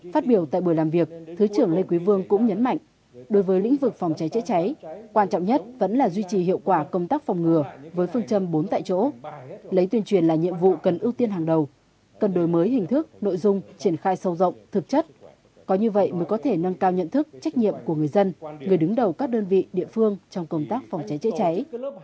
phát biểu tại buổi làm việc thứ trưởng lê quý vương cũng nhấn mạnh đối với lĩnh vực phòng cháy chế cháy quan trọng nhất vẫn là duy trì hiệu quả công tác phòng ngừa với phương châm bốn tại chỗ lấy tuyên truyền là nhiệm vụ cần ước tiên hàng đầu cần đổi mới hình thức nội dung triển khai sâu rộng thực chất có như vậy mới có thể nâng cao nhận thức trách nhiệm của người dân người đứng đầu các đơn vị địa phương trong công tác phòng cháy chế cháy